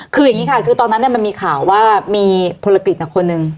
คืออย่างงี้ค่ะคือตอนนั้นเนี้ยมันมีข่าวว่ามีธุรกิจนะคนนึง